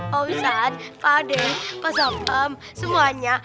pak wisat pak ade pak sopam semuanya